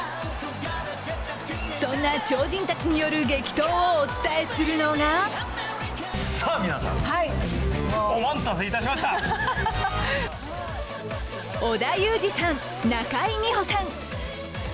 そんな超人たちによる激闘をお伝えするのが織田裕二さん、中井美穂さん。